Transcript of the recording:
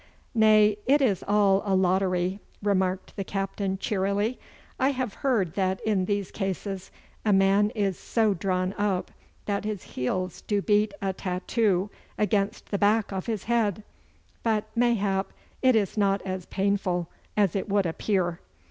'Nay, it is all a lottery,' remarked the Captain cheerily. 'I have heard that in these cases a man is so drawn up that his heels do beat a tattoo against the back of his head. But, mayhap, it is not as painful as it would appear.